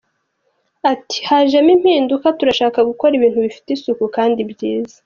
Ati “Hajemo impinduka, turashaka gukora ibintu bifite isuku kandi byiza.